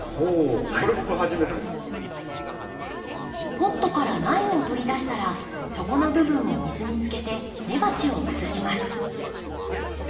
ポットから苗を取り出したら底の部分を水につけて根鉢を崩します。